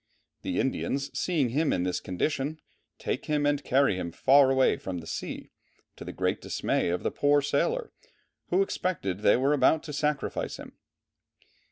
The Indians seeing him in this condition, take him and carry him far away from the sea, to the great dismay of the poor sailor, who expected they were about to sacrifice him.